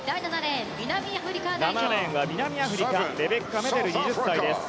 ７レーンは南アフリカレベッカ・メデル、２３歳。